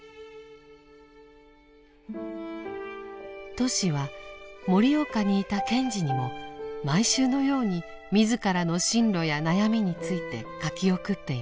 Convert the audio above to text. トシは盛岡にいた賢治にも毎週のように自らの進路や悩みについて書き送っています。